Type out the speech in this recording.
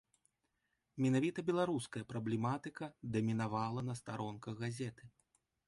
Менавіта беларуская праблематыка дамінавала на старонках газеты.